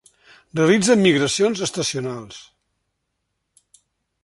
Realitza migracions estacionals.